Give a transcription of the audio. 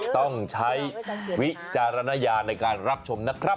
ต้องใช้วิจารณญาณในการรับชมนะครับ